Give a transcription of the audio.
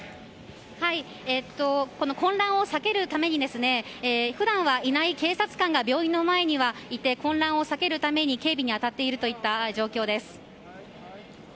混乱を避けるために普段はいない警察官が病院の前にいて混乱を避けるために警備に当たっているといった状況です。